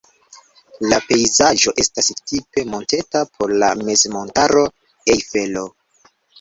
La pejzaĝo estas tipe monteta por la mezmontaro Ejfelo.